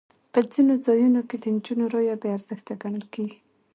په ځینو ځایونو کې د نجونو رایه بې ارزښته ګڼل کېږي.